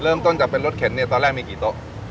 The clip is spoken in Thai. เริ่มต้นจากเป็นรถเข็นเนี่ยตอนแรกมีกี่โต๊ะ